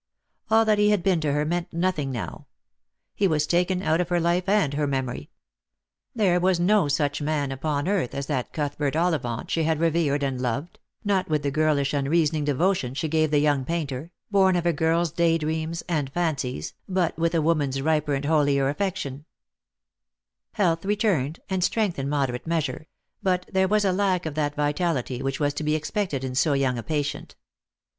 All that he had been to her meant nothing now. He was taken out of her life and her memory. There was no such man upon earth as that Cuthbert Ollivant she had revered and loved; not with the girlish unreasoning devotion she gave the young painter, born of a girl's day dreams and fancies, but with a woman's riper and holier affection Lost for Love. 297 Health returned, and strength in moderate measure ; hut there was a lack of that vitality which was to he expected in so young a patient.